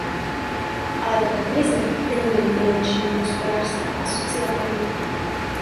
Ale tato krize není jen finanční, hospodářská a sociální.